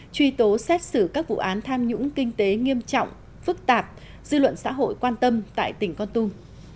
truy tố xét xử các vụ án tham nhũng kinh tế nghiêm trọng phức tạp dư luận xã hội quan tâm tại tỉnh con tum